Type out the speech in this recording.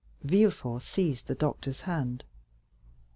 Villefort seized the doctor's hand.